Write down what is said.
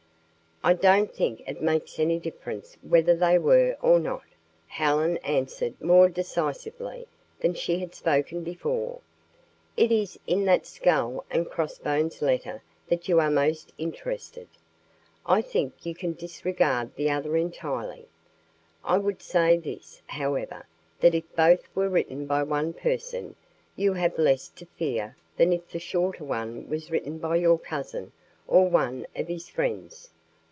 "I don't think it makes any difference whether they were or not," Helen answered more decisively than she had spoken before. "It is in that skull and cross bones letter that you are most interested. I think you can disregard the other entirely. I would say this, however, that if both were written by one person, you have less to fear than if the shorter one was written by your cousin or one of his friends."